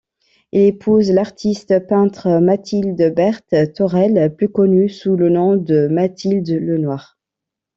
Il épouse l'artiste-peintre Mathilde Berthe Thorel, plus connue sous le nom de Mathilde Lenoir.